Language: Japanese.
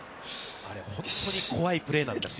あれ、本当に怖いプレーなんですよ。